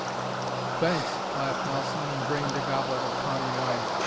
"Thanks," laughed Nelson, and drained a goblet of tawny wine.